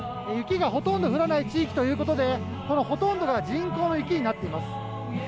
雪がほとんど降らない地域ということでこのほとんどが人工の雪になっています。